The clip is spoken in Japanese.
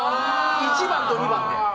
１番と２番で。